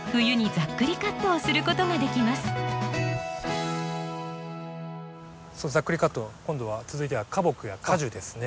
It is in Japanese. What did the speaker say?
ざっくりカット今度は続いては花木や果樹ですね。